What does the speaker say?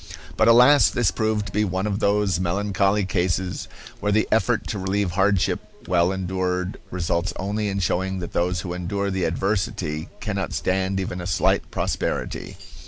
But, alas! this proved to be one of those melancholy cases where the effort to relieve hardship well endured results only in showing that those who endure the adversity cannot stand even a slight prosperity.